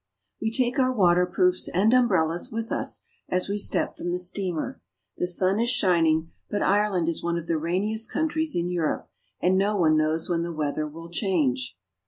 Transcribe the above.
WE take our waterproofs and umbrellas with us as we step from the steamer. The sun is shining, but Ire land is one of the rainiest countries of Europe, and no one knows when the weather will change.